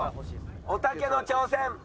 おたけの挑戦。